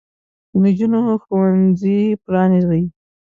د نجونو ښوونځي پرانیزئ.